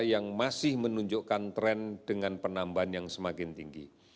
yang masih menunjukkan tren dengan penambahan yang semakin tinggi